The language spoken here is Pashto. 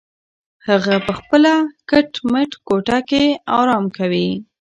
هغه په خپله کټ مټ کوټه کې ارام کوي.